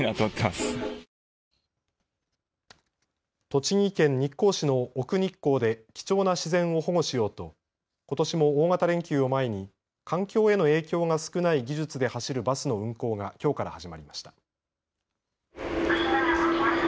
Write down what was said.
栃木県日光市の奥日光で、貴重な自然を保護しようと、ことしも大型連休を前に、環境への影響が少ない技術で走るバスの運行が、きょうから始まりました。